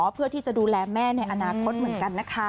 เพื่อที่จะดูแลแม่ในอนาคตเหมือนกันนะคะ